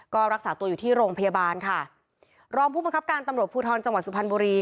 ก็รักษาตัวอยู่ที่โรงพยาบาลค่ะรองผู้บังคับการตำรวจภูทรจังหวัดสุพรรณบุรี